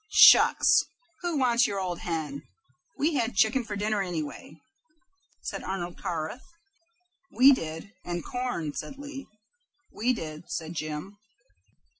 "Shucks! who wants your old hen? We had chicken for dinner, anyway." "So did we," said Arnold Carruth. "We did, and corn," said Lee. "We did," said Jim.